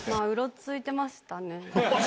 うろついてましたね。